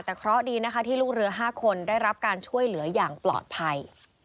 แต่เคราะห์ดีนะคะที่ลูกเรือ๕คนได้รับการช่วยเหลืออย่างปลอดภัย